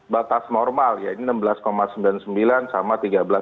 batas normal ya ini enam belas sembilan puluh sembilan sama tiga belas lima